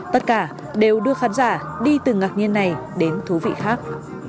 tất cả đều đưa khán giả đi từ ngạc nhiên này đến thú vị khác